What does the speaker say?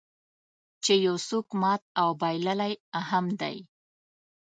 چې یو څوک مات او بایللی هم دی.